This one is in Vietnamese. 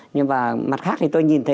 nhưng mà mặt khác thì tôi nhìn thấy